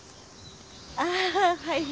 ああはい。